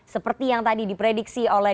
seperti yang tadi diprediksi oleh